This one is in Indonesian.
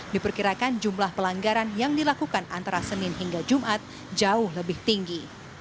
diperkirakan jumlah pelanggaran yang dilakukan antara senin hingga jumat jauh lebih tinggi